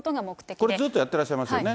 ここれ、ずっとやってらっしゃいますよね。